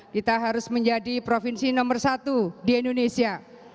kita harus menjadi provinsi nomor satu di indonesia